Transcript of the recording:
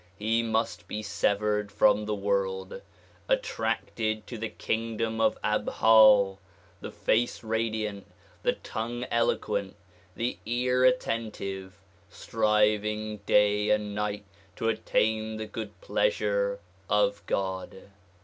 He must be severed from the world, attracted to the kingdom of Abha, the face radiant, the tongue eloquent, the ear attentive, striving day and night to attain the good pleasure of God.